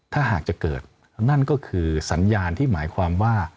ถ้าหากจะเกิดนั่นก็คือสัญญาณที่หมายความว่า